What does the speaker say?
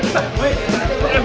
weh lewat situ aja